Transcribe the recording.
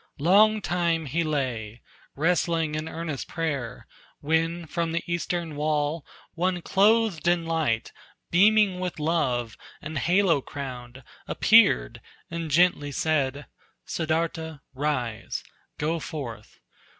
Long time he lay, wrestling in earnest prayer, When from the eastern wall, one clothed in light, Beaming with love, and halo crowned, appeared, And gently said: "Siddartha, rise! go forth!